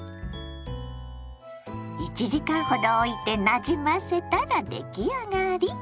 １時間ほどおいてなじませたら出来上がり！